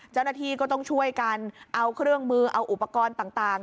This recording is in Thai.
เจ้าหน้าที่ก็ต้องช่วยกันเอาเครื่องมือเอาอุปกรณ์ต่าง